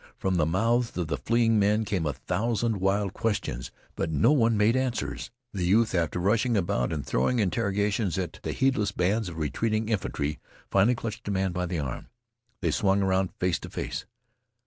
From the mouths of the fleeing men came a thousand wild questions, but no one made answers. The youth, after rushing about and throwing interrogations at the heedless bands of retreating infantry, finally clutched a man by the arm. They swung around face to face.